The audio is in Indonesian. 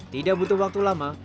tidak butuh waktu lama